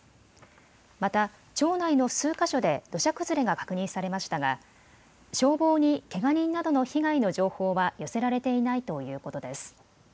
また町内の数か所で土砂崩れが確認されましたが消防にけが人などの被害の情報は寄せられていないということです。